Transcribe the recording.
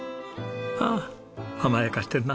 ああ甘やかしてるな。